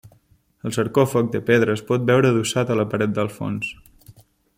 El sarcòfag, de pedra, es pot veure adossat a la paret del fons.